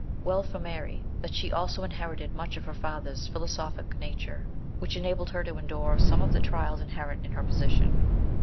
Well for Mary that she also inherited much of her father's philosophic nature, which enabled her to endure some of the trials inherent in her posi tion.